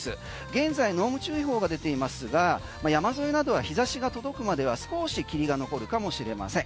現在、濃霧注意報が出ていますが山沿いなどは日差しが届くまでは少し霧が残るかもしれません。